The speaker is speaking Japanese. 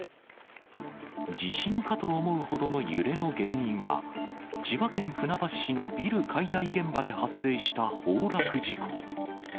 地震かと思うほどの揺れの原因は、千葉県船橋市のビル解体現場で発生した崩落事故。